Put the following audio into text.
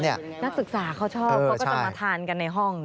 นักศึกษาเขาชอบเขาก็จะมาทานกันในห้อง